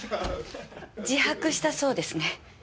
自白したそうですね。